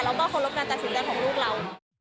แล้วก็ค้นลบกันตัดสินใจของลูกเรา